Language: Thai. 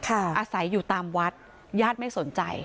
อาศัยอยู่ตามวัดญาติไม่สนใจ